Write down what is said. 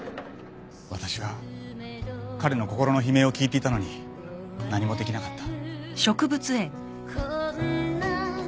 私は彼の心の悲鳴を聞いていたのに何もできなかった。